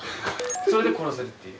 それで殺せるっていう。